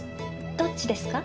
どっちですか？